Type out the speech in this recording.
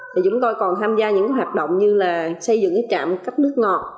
chúng tôi còn tham gia những hoạt động như là xây dựng trạm cắp nước ngọt